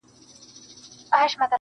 بېګانه به ورته ټول خپل او پردي سي,